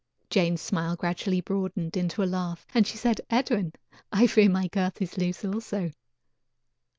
Jane's smile gradually broadened into a laugh, and she said: "Edwin, I fear my girth is loose also."